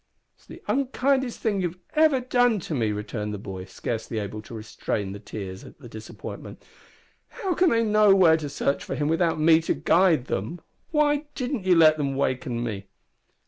"It's the unkindest thing you've ever done to me," returned the boy, scarcely able to restrain his tears at the disappointment. "How can they know where to search for him without me to guide them? Why didn't you let them waken me!"